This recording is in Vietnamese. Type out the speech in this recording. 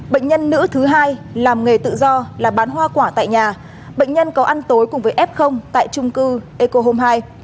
bệnh nhân nữ thứ hai làm nghề tự do là bán hoa quả tại nhà bệnh nhân có ăn tối cùng với f tại trung cư eco home hai